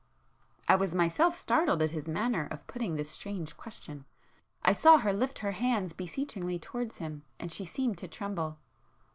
I was myself startled at his manner of putting this strange question;—I saw her lift her hands beseechingly towards him, and she seemed to tremble.